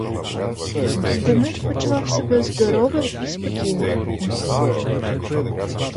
Демид почував себе здоровим і спокійним.